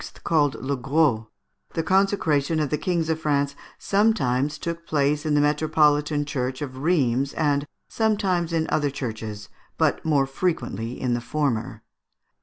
(called Le Gros), the consecration of the kings of France sometimes took place in the metropolitan church of Rheims, and sometimes in other churches, but more frequently in the former.